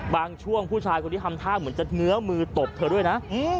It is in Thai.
ช่วงผู้ชายคนนี้ทำท่าเหมือนจะเนื้อมือตบเธอด้วยนะ